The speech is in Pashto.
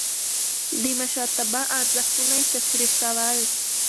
د مشرتابه ارزښتونه يې تشريح کول.